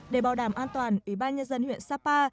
để bảo đảm an toàn ủy ban nhân dân huyện sapa